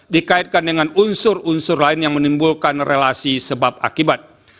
dikaitkan dengan unsur unsur lain yang menimbulkan relasi sebab akibat